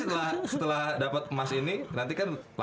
tapi setelah dapet emas ini nanti kan latihan lagi november